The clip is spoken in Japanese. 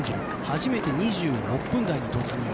初めて２６分台に突入。